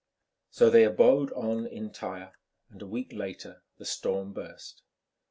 So they abode on in Tyre, and a week later the storm burst.